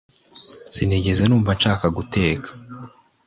sinigeze numva nshaka guteka